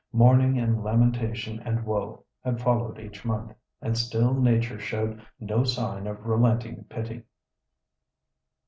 "Mourning and lamentation and woe" had followed each month, and still Nature showed no sign of relenting pity.